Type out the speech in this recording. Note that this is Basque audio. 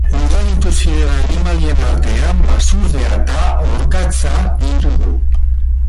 Ugaritu ziren animalien artean, basurdea eta orkatza ditugu.